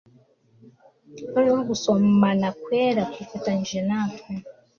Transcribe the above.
Noneho gusomana kwera kwifatanije natwe